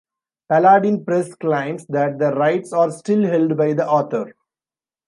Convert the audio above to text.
Paladin Press claims that the rights are still held by the author.